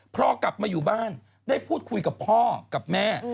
พอกลับมาอยู่บ้านได้พูดคุยกับพ่อกับแม่